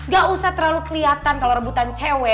gausah terlalu keliatan kalo rebutan cewe